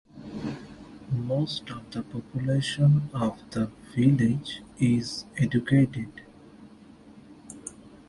Most of the population of the village is educated.